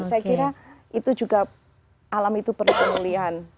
saya kira itu juga alam itu perlu pemulihan